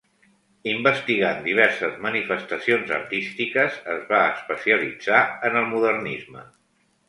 Investigant diverses manifestacions artístiques es va especialitzar en el modernisme.